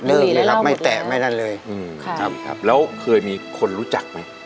เลยครับไม่แตะไม่นั่นเลยครับแล้วเคยมีคนรู้จักไหม